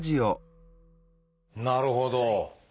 なるほど。